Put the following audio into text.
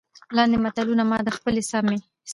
لاندې متلونه ما د خپلې سيمې